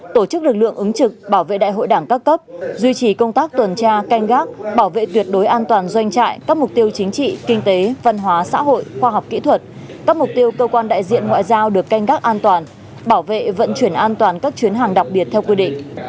tổ chức lực lượng ứng trực bảo vệ đại hội đảng các cấp duy trì công tác tuần tra canh gác bảo vệ tuyệt đối an toàn doanh trại các mục tiêu chính trị kinh tế văn hóa xã hội khoa học kỹ thuật các mục tiêu cơ quan đại diện ngoại giao được canh gác an toàn bảo vệ vận chuyển an toàn các chuyến hàng đặc biệt theo quy định